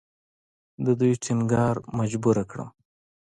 د دوی ټینګار مجبوره کړم.